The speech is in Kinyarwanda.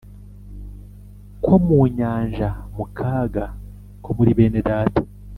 Ko mu nyanja mu kaga ko muri bene data